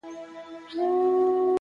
ورځم د خپل نړانده کوره ستا پوړونی راوړم،